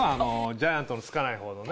ジャイアントの付かないほうのね。